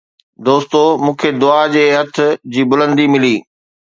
دوستو! مون کي دعا جي هٿ جي بلندي ملي